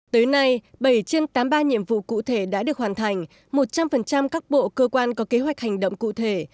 tới nay bảy trên tám mươi ba nhiệm vụ cụ thể đã được hoàn thành một trăm linh các bộ cơ quan có kế hoạch hành động cụ thể